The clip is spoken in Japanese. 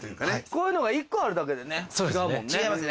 こういうのが１個あるだけでね違うもんね。